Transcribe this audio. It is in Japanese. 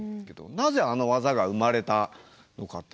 なぜあの技が生まれたのかって